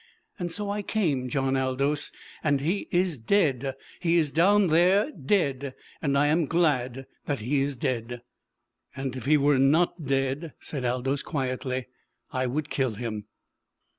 And so I came, John Aldous. And he is dead. He is down there dead. And I am glad that he is dead!" "And if he was not dead," said Aldous quietly, "I would kill him!"